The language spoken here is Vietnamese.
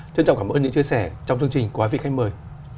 trân trọng cảm ơn những chia sẻ trong chương trình của hai vị khách mời